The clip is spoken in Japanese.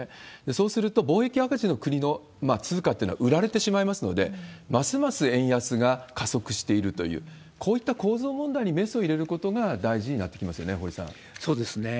そうすると、貿易赤字の国の通貨というのは売られてしまいますので、ますます円安が加速しているという、こういった構造問題にメスを入れることが大事になってきますよね、そうですね。